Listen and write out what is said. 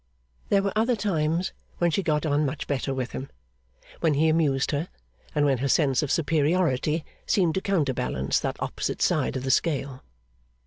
There were other times when she got on much better with him; when he amused her, and when her sense of superiority seemed to counterbalance that opposite side of the scale.